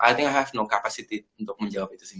i think have no capacity untuk menjawab itu sih